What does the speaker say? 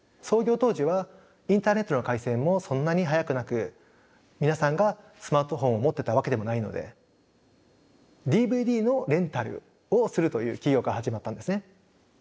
創業当時はインターネットの回線もそんなに速くなく皆さんがスマートフォンを持ってたわけでもないのでＤＶＤのレンタルをするという企業から始まったんですね。